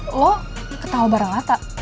lo ketawa bareng ata